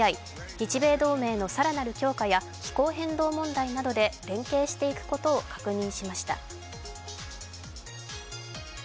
日米同盟の更なる強化や気候変動問題で連携していくことを確認しました。